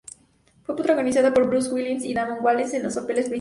Fue protagonizada por Bruce Willis y Damon Wayans en los papeles principales.